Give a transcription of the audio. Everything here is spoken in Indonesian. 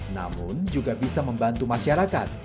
namun juga bisa membantu masyarakat